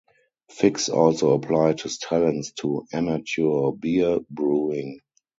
Fix also applied his talents to amateur beer brewing.